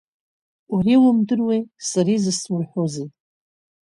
Уара иумдыруеи, сара изысурҳәозеи.